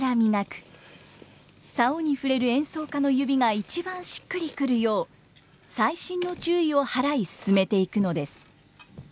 棹に触れる演奏家の指が一番しっくりくるよう細心の注意を払い進めていくのです。